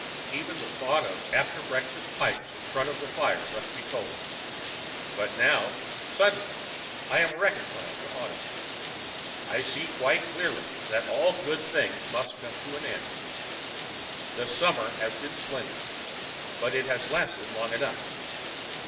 Even the thought of after breakfast pipes in front of the fire left me cold. But now, suddenly, I am reconciled to autumn. I see quite clearly that all good things must come to an end. The summer has been splendid, but it has lasted long enough.